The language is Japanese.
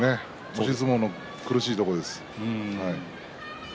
押し相撲の苦しいところです。